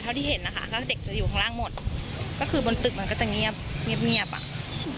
ที่เห็นนะคะก็เด็กจะอยู่ข้างล่างหมดก็คือบนตึกมันก็จะเงียบเงียบอ่ะ